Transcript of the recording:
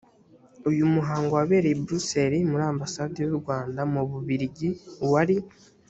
uyu muhango wabereye i bruxelles muri ambasade y u rwanda mu bubirigi wari